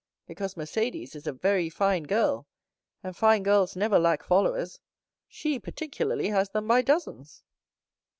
"Because Mercédès is a very fine girl, and fine girls never lack followers; she particularly has them by dozens."